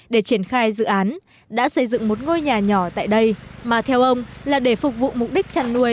để triển khai dự án đã xây dựng một ngôi nhà nhỏ tại đây mà theo ông là để phục vụ mục đích chăn nuôi